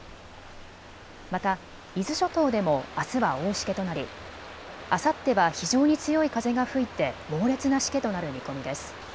また、伊豆諸島でもあすは大しけとなりあさっては非常に強い風が吹いて猛烈なしけとなる見込みです。